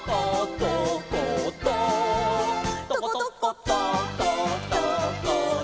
「とことことっことっこと」